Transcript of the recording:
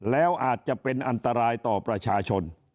แล้วอาจจะเป็นอันตรายต่อประชาชน